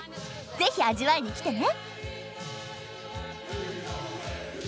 ぜひ味わいに来てね！